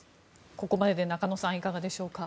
ここまでで中野さん、いかがでしょうか。